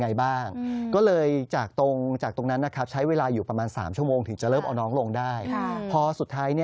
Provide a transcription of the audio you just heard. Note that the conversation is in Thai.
น้องยังมีสติยังพูดคุยได้